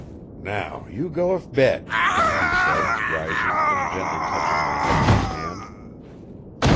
'Now you go to bed,' he said, rising and gently touching my head with his hand.